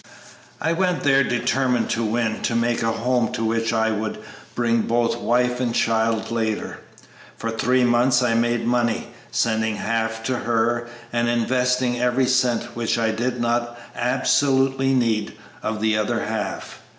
I went there determined to win, to make a home to which I would bring both wife and child later. For three months I made money, sending half to her, and investing every cent which I did not absolutely need of the other half.